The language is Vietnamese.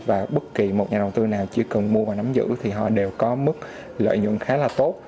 và bất kỳ một nhà đầu tư nào chỉ cần mua và nắm giữ thì họ đều có mức lợi nhuận khá là tốt